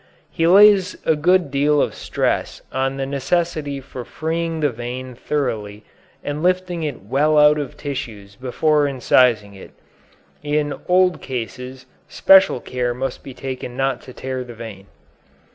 He lays a good deal of stress on the necessity for freeing the vein thoroughly and lifting it well out of tissues before incising it. In old cases special care must be taken not to tear the vein.